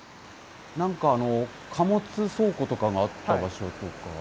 なんか、貨物倉庫とかがあった場所とか？